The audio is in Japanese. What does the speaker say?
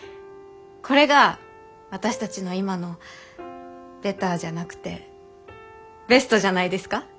これが私たちの今のベターじゃなくてベストじゃないですか？